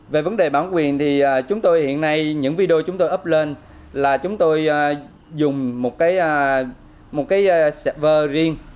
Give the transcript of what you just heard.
về vấn đề bảo quyền thì chúng tôi hiện nay những video chúng tôi up lên là chúng tôi dùng một cái server riêng